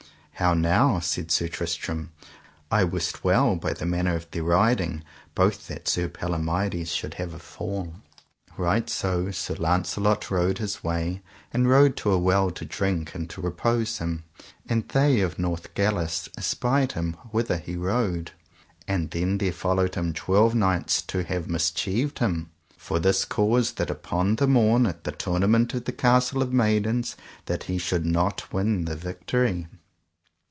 How now, said Sir Tristram, I wist well by the manner of their riding both that Sir Palomides should have a fall. Right so Sir Launcelot rode his way, and rode to a well to drink and to repose him, and they of Northgalis espied him whither he rode; and then there followed him twelve knights for to have mischieved him, for this cause that upon the morn at the tournament of the Castle of Maidens that he should not win the victory.